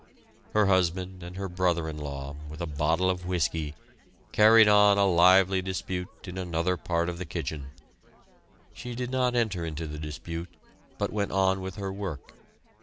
Her husband and her brother in law, with a bottle of whiskey, carried on a lively dispute in another part of the kitchen. She did not enter into the dispute, but went on with her work.